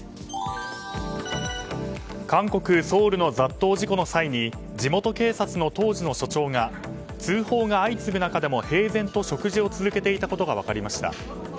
韓国ソウルの雑踏事故の際に地元警察の当時の署長が通報が相次ぐ中でも平然と食事を続けていたことが分かりました。